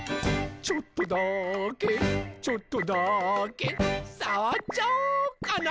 「ちょっとだけちょっとだけさわっちゃおうかな」